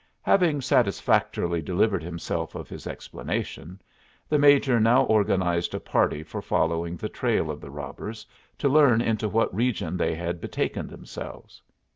Having satisfactorily delivered himself of his explanation, the Major now organized a party for following the trail of the robbers, to learn into what region they had betaken themselves.